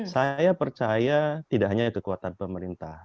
saya percaya tidak hanya kekuatan pemerintah